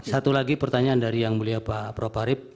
satu lagi pertanyaan dari yang mulia pak proparib